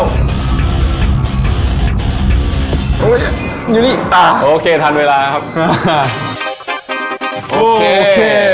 โอ้ยอยู่นี่ตาโอเคทันเวลาครับอ่าโอเคโอเค